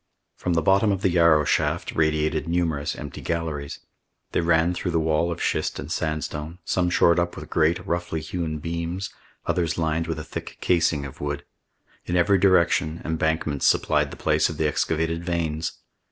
From the bottom of the Yarrow shaft radiated numerous empty galleries. They ran through the wall of schist and sandstone, some shored up with great, roughly hewn beams, others lined with a thick casing of wood. In every direction embankments supplied the place of the excavated veins.